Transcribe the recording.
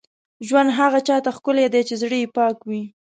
ژوند هغه چا ته ښکلی دی، چې زړه یې پاک وي.